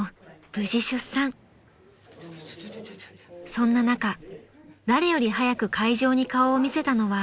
［そんな中誰より早く会場に顔を見せたのは］